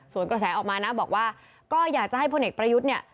ส่วนกระแสออกมานะบอกว่าก็อยากจะให้พลเอกประยุทธ์เนี่ย